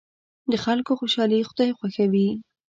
د خلکو خوشحالي خدای خوښوي.